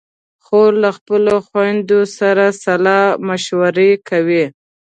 خور له خپلو خویندو سره سلا مشورې کوي.